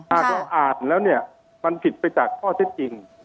หากเราอ่านแล้วเนี่ยมันผิดไปจากข้อเท็จจริง